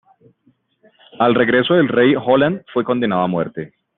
Al regreso del rey, Holland fue condenado a muerte.